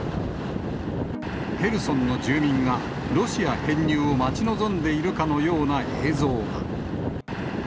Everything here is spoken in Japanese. ヘルソンの住民が、ロシア編入を待ち望んでいるかのような映像が。